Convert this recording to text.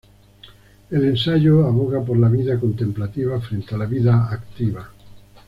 El ensayo aboga por la vida contemplativa frente a la vida activa.